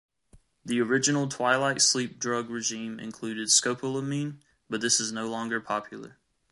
The original twilight sleep drug regimen included scopolamine, but this is no longer popular.